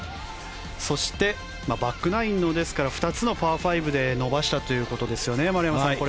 そして、バックナインの２つのパー５で伸ばしたということですよね。